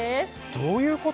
どういうこと？